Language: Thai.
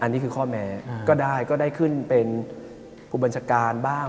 อันนี้คือข้อแม้ก็ได้ก็ได้ขึ้นเป็นผู้บัญชาการบ้าง